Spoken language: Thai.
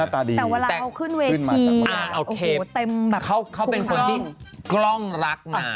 แต่เวลาเขาขึ้นเวทีเขาเป็นคนที่กล้องรักมา